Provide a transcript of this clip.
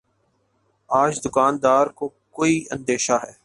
آج دکان دار کو کوئی اندیشہ ہے